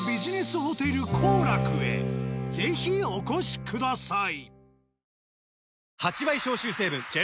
お越しください。